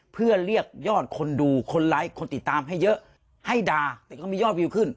เพื่อเรียกยอดคนดูคนไลค์คนติดตามให้เยอะให้ด่าแต่ก็มียอดวิวขึ้น